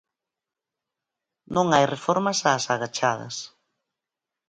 Non hai reformas ás agachadas.